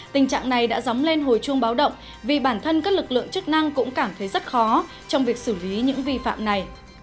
tình trạng này đã dóng lên hồi chuông báo động vì bản thân các lực lượng chức năng cũng cảm thấy rất khó trong việc xử lý những vi phạm này